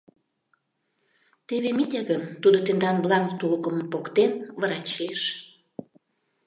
Теве Митя гын, тудо тендан Бланк тукымым поктен, врач лиеш.